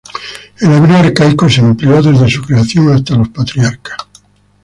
El hebreo arcaico se empleó desde su creación hasta los patriarcas.